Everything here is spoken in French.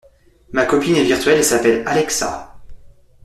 Ma copine est virtuelle et s'appelle Alexa.